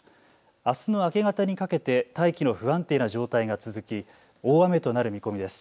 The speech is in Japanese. あすの明け方にかけて大気の不安定な状態が続き大雨となる見込みです。